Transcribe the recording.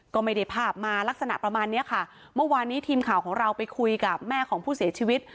ก็ไม่ได้ภาพมาลักษณะประมาณเนี้ยค่ะเมื่อวานนี้ทีมข่าวของเราไปคุยกับแม่ของผู้เสียชีวิต